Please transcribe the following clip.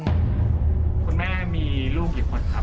คุณแม่มีลูกกี่คนครับ